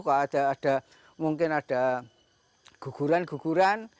kalau mungkin ada guguran guguran